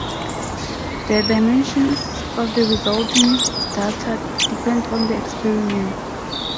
The dimensions of the resulting data depend on the experiment.